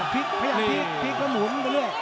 พริกพยาพิกพริกก็หนูมันก็เลือก